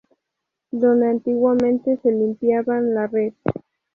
Donde antiguamente se limpiaban las res.